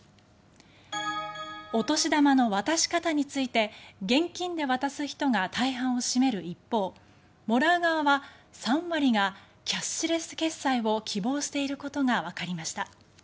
お年玉の渡し方について現金で渡す人が大半を占める一方もらう側は３割がキャッシュレス決済を希望していることがわかりました。